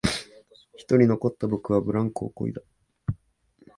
一人残った僕はブランコをこいだ